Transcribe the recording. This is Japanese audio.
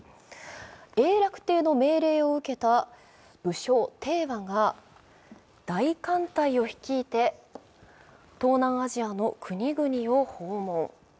永楽帝の命令を受けた武将・鄭和が大艦隊を率いて東南アジアの国々を訪問。